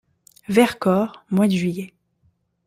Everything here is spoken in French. Vercors, mois de juillet.